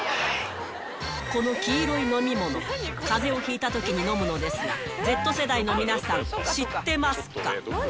この黄色い飲み物、かぜをひいたときに飲むのですが、Ｚ世代の皆さん、知ってますか？